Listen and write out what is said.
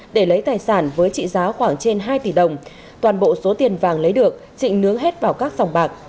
để lấy tài sản với trị giá khoảng trên hai tỷ đồng toàn bộ số tiền vàng lấy được trịnh nướng hết vào các sòng bạc